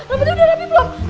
rambut lo udah rapi belum